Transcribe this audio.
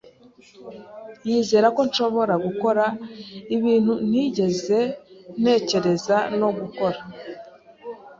Yizera ko nshobora gukora ibintu ntigeze ntekereza no gukora.